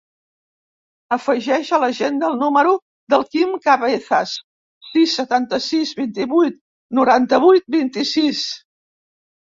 Afegeix a l'agenda el número del Quim Cabezas: sis, setanta-sis, vint-i-vuit, noranta-vuit, vint-i-sis.